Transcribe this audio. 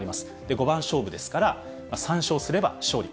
五番勝負ですから、３勝すれば勝利。